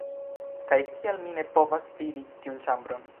Kaj kial mi ne povas vidi tiun ĉambron?!